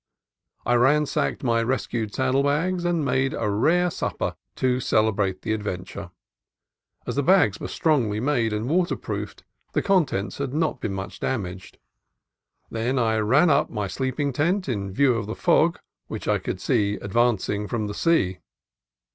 I ran sacked my rescued saddle bags and made a rare supper to celebrate the adventure. As the bags were strongly made, and waterproofed, the contents had not been much damaged. Then I ran up my sleep ing tent, in view of the fog which I could see advan cing from the sea.